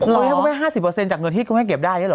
แล้วให้พวกแม่๕๐จากเงินที่เขาให้เก็บได้หรอ